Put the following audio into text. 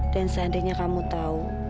dan seandainya kamu tahu